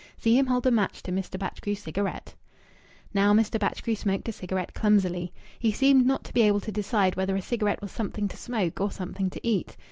See him hold a match to Mr. Batchgrew's cigarette! Now Mr. Batchgrew smoked a cigarette clumsily. He seemed not to be able to decide whether a cigarette was something to smoke or something to eat. Mr.